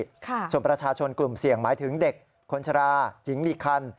ค่ะส่วนประชาชนกลุ่มเสี่ยงหมายถึงเด็กคนชราหญิงมีคัน